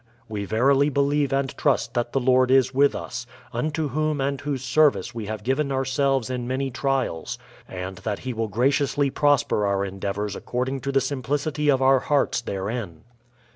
We verily believe and trust that the Lord is with us, unto Whom and Whose service we have given ourselves in many trials; and that He will graciously prosper our endeavours according to the simplicity of our hearts therein.